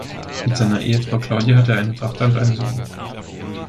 Mit seiner Ehefrau Claudia hat er eine Tochter und einen Sohn.